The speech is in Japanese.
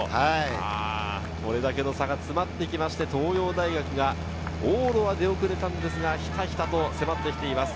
これだけの差が詰まってきまして、東洋大学が往路は出遅れたんですが、ひたひたと迫ってきています。